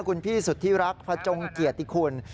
คุณพี่สุดที่รักพระจงเกียรติคุณ